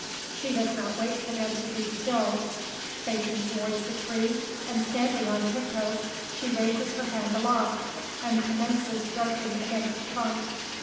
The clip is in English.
She does not wait for them to be stilled. Facing towards the tree, and standing on tiptoe, she raises her hand aloft, and commences groping against the trunk.